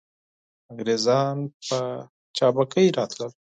انګریزان په چابکۍ راتلل.